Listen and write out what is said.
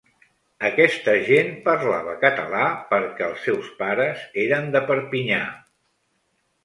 Aquesta gent parlava català perquè els seus pares eren de Perpinyà!